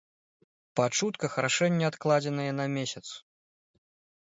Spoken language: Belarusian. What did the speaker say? Па чутках, рашэнне адкладзенае на месяц.